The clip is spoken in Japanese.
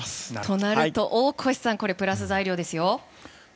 となると大越さんこれはプラス材料ですよ。